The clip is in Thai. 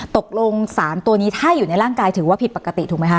ตกลง๓ตัวนี้ถ้าอยู่ในร่างกายถือว่าผิดปกติถูกไหมคะ